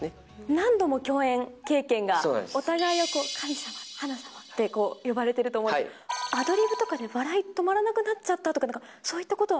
何度も共演経験が、お互いを神様、花様と呼ばれていると思うんですけど、アドリブとかで笑い止まらなくなっちゃったとか、そういったことは。